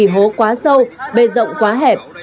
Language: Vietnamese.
hố quá sâu bê rộng quá hẹp